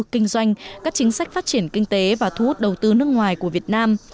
kinh doanh các chính sách phát triển kinh tế và thu hút đầu tư nước ngoài của việt nam